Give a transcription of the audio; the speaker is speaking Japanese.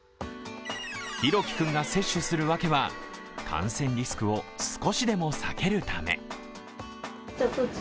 拓生君が接種する訳は、感染リスクを少しでも避けるため。